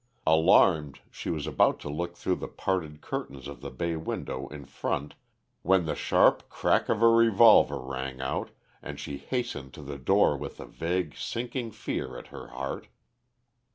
Alarmed, she was about to look through the parted curtains of the bay window in front when the sharp crack of a revolver rang out, and she hastened to the door with a vague sinking fear at her heart.